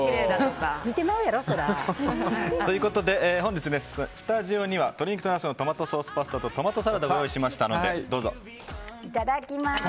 見てまうやろ、それは。ということで本日スタジオには鶏肉とナスのトマトソースパスタとトマトサラダをいただきます！